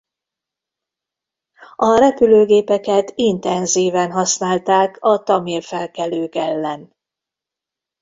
A repülőgépeket intenzíven használták a tamil felkelők ellen.